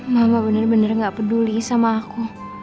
mama benar benar gak peduli sama aku